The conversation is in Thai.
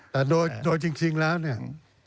แต่โดยจริงแล้วเนี่ย